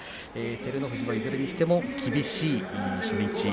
照ノ富士はいずれにしても厳しい初日。